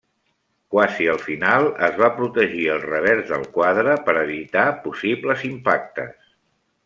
Quasi al final es va protegir el revers del quadre per evitar possibles impactes.